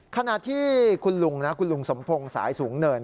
ขณะที่คุณลุงนะคุณลุงสมพงศ์สายสูงเนิน